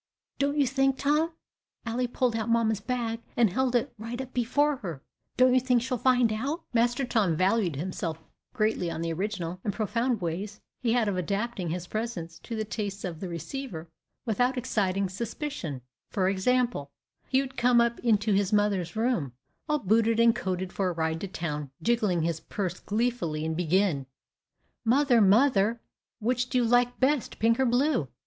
Don't you think, Tom, Ally pulled out mamma's bag, and held it right up before her! Don't you think she'll find out?" Master Tom valued himself greatly on the original and profound ways he had of adapting his presents to the tastes of the receiver without exciting suspicion: for example, he would come up into his mother's room, all booted and coated for a ride to town, jingling his purse gleefully, and begin, "Mother, mother, which do you like best, pink or blue?"